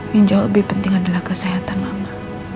yang jauh lebih penting adalah kesehatan mama